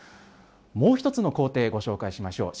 もう一つの工程、ご紹介しましょう。